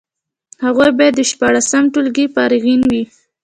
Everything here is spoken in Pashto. هغوی باید د شپاړسم ټولګي فارغان وي.